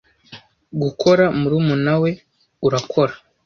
Gukora murumuna we. Urakora